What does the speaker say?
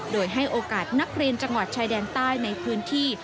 โดยให้โอกาสนักเรียนจังหวัดชายแดนใต้ในพื้นที่